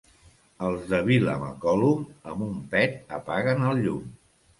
Els de Vilamacolum, amb un pet apaguen el llum.